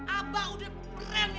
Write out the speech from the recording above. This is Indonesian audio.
abah udah berani